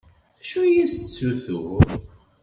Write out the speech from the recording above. D acu i as-d-yessuter?